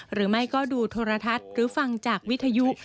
หรือไม่ก็ดูโทรทัศน์หรือฟังจากวิทยุ